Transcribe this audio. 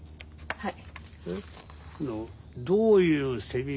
はい。